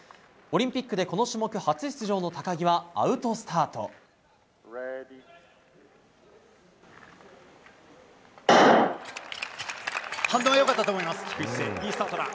オリンピックでこの種目初出場の高木はアウトスタート。